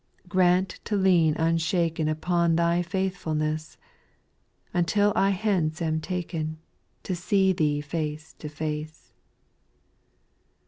Grant to lean unshaken Upon Thy faithfulness, Until I hence am taken, To see Thee face to face.